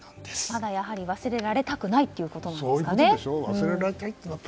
まだやはり忘れられたくないということなんでしょうか。